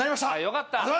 よかった。